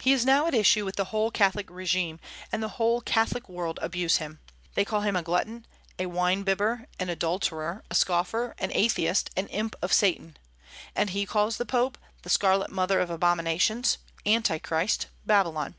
He is now at issue with the whole Catholic régime, and the whole Catholic world abuse him. They call him a glutton, a wine bibber, an adulterer, a scoffer, an atheist, an imp of Satan; and he calls the Pope the scarlet mother of abominations, Antichrist, Babylon.